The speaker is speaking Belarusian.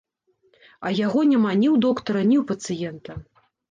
А яго няма ні ў доктара, ні ў пацыента!